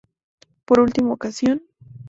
Por última ocasión.